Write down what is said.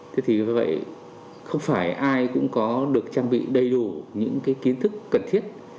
thế thì với vậy không phải ai cũng có được trang bị đầy đủ những kiến thức cần thiết